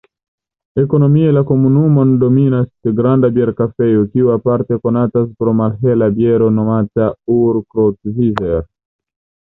Ekonomie la komunumon dominas granda bierfarejo, kiu aparte konatas pro malhela biero nomata "Ur-Krotzizer".